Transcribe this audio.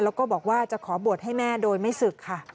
แล้วก็บอกว่าจะขอบวชให้แม่โดยไม่ศึกค่ะ